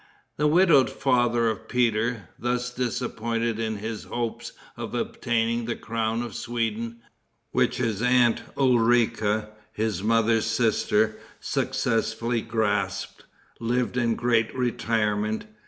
The widowed father of Peter, thus disappointed in his hopes of obtaining the crown of Sweden, which his aunt Ulrica, his mother's sister, successfully grasped, lived in great retirement.